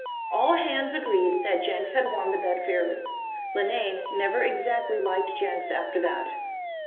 All hands agreed that Jenks had won the bet fairly. Linane never exactly liked Jenks after that.